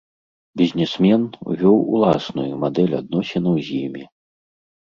Бізнесмен увёў уласную мадэль адносінаў з імі.